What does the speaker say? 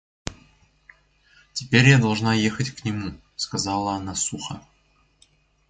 Теперь я должна ехать к нему, — сказала она сухо.